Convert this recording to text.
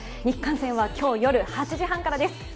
日韓戦は今日夜８時半からです。